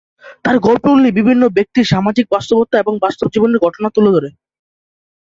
তাঁর গল্পগুলি বিভিন্ন ব্যক্তির সামাজিক বাস্তবতা এবং বাস্তব জীবনের ঘটনা তুলে ধরে।